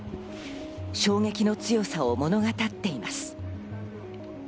衝撃の強さを物語っています。